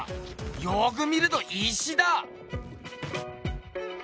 よく見ると石だ！